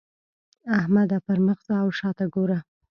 احمده! پر مخ ځه او شا ته ګوره.